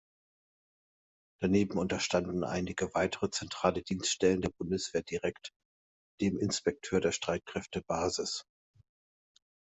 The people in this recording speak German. Daneben unterstanden einige weitere zentrale Dienststellen der Bundeswehr direkt dem Inspekteur der Streitkräftebasis.